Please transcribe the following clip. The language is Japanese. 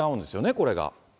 これが。